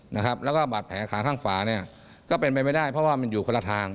นะครับแล้วก็บาดแผลขาข้างฝาเนี่ยก็เป็นไปไม่ได้เพราะว่ามันอยู่คนละทาง